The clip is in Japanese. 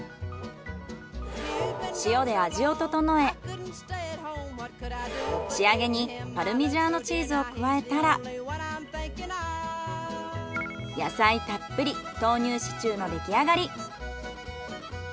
塩で味を調え仕上げにパルミジャーノチーズを加えたら野菜たっぷり豆乳シチューの出来上がり。